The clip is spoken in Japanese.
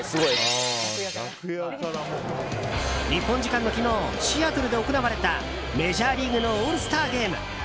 日本時間の昨日シアトルで行われたメジャーリーグのオールスターゲーム。